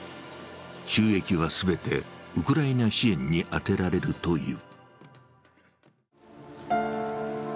収益は全てウクライナ支援に充てられるという。